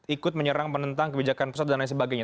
ikut menyerang penentang kebijakan pusat dan lain sebagainya